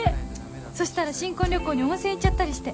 そしたら新婚旅行に温泉行っちゃったりして